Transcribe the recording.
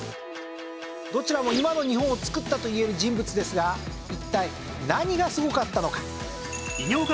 どちらも今の日本をつくったといえる人物ですが一体何がすごかったのか？